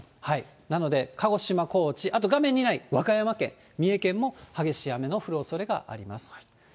なので鹿児島、高知、あと、画面にない和歌山県、三重県も激しい雨の降るおそれがあります。